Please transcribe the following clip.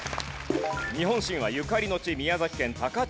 日本神話ゆかりの地宮崎県高千穂峡。